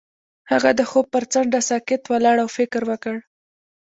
هغه د خوب پر څنډه ساکت ولاړ او فکر وکړ.